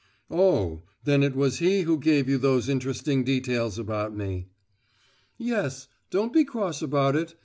"Oh! Then it was he who gave you those interesting details about me?" "Yes; don't be cross about it.